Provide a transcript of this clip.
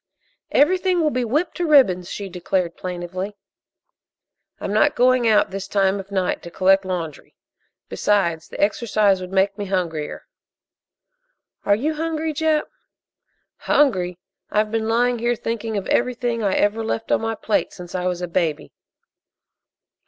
"Everything will be whipped to ribbons," she declared plaintively. "I'm not going out this time of night to collect laundry; besides, the exercise would make me hungrier." "Are you hungry, Jap?" "Hungry! I've been lying here thinking of everything I ever left on my plate since I was a baby!"